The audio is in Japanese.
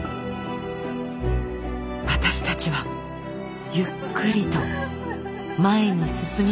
私たちはゆっくりと前に進み始めました。